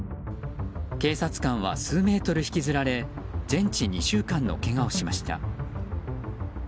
警察官は数メートル引きずられ全治２週間のけがをしました。